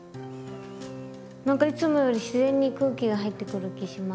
なんかいつもより自然に空気が入ってくる気します。